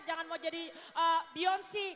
jangan mau jadi beyonce